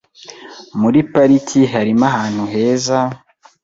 Muri pariki harimo ahantu heza,